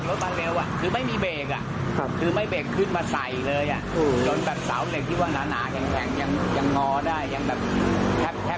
คือวันนั้นถ้าไม่มีเสียงแต่ไม่มีเสียงตรงห้างหน้าบ้านผมเนี่ยผมว่าอาจจะมาตายในบ้านผมนี่แหละครับ